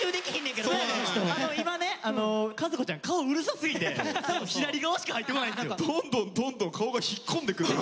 今ね和子ちゃん顔うるさすぎて左側しか入ってこないんですよ。